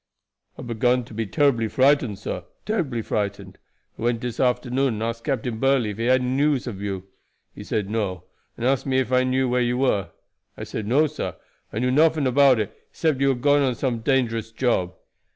"I began to be terribly frightened, sir terribly frightened. I went dis afternoon and asked Captain Burley if he had any news ob you. He said 'No;' and asked me ef I knew where you were. I said 'No, sah;' that I knew nuffin about it except that you had gone on some dangerous job.